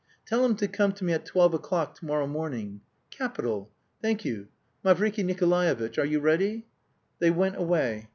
"Tell him to come to me at twelve o'clock to morrow morning. Capital! Thank you. Mavriky Nikolaevitch, are you ready?" They went away.